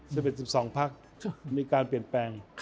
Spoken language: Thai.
จะเป็น๑๒พักมีการเปลี่ยนแปลง